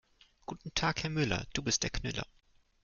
Guten Tag Herr Müller, du bist der Knüller.